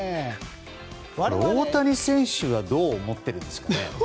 大谷選手はどう思ってるんですかね。